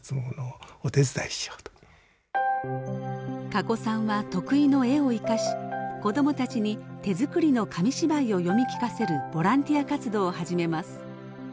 かこさんは得意の絵を生かし子どもたちに手作りの紙芝居を読み聞かせるボランティア活動を始めます。